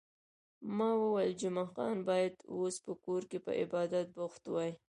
ما وویل، جمعه خان باید اوس په کور کې په عبادت بوخت وای.